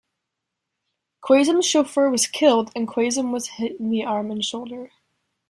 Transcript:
Qasim's chauffeur was killed, and Qasim was hit in the arm and shoulder.